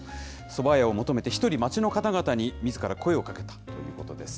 そば屋を求めて、１人町の方々に、みずから声をかけたということです。